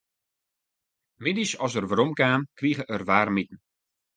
Middeis as er werom kaam, krige er waarmiten.